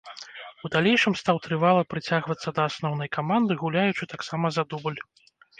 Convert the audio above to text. У далейшым стаў трывала прыцягвацца да асноўнай каманды, гуляючы таксама за дубль.